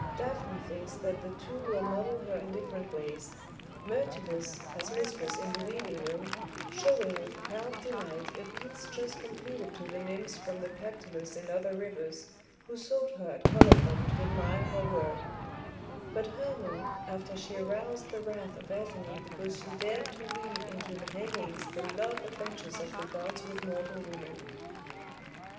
"Daphne thinks that the two will model her in different ways: Myrtilus, as mistress in the weaving room, showing with proud delight a piece just completed to the nymphs from the Pactolus and other rivers, who sought her at Colophon to admire her work; but Hermon, after she aroused the wrath of Athene because she dared to weave into the hangings the love adventures of the gods with mortal women."